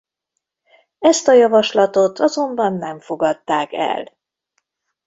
Ezt a javaslatot azonban nem fogadták el.